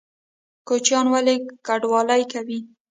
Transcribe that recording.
کوچیان ولې کډوالي کوي؟